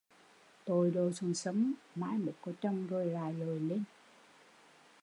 Tội lội xuống sông, mai mốt có chồng rồi lại lội lên